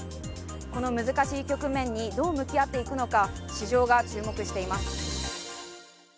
この難しい局面にどう向き合っていくのか市場が注目しています。